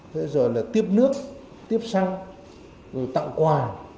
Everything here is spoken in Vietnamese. thế rồi là tiếp nước tiếp xăng rồi tặng quà